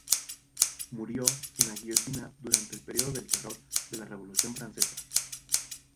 Murió en la guillotina durante el periodo del "Terror" de la Revolución francesa.